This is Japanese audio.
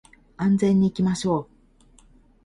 安全に行きましょう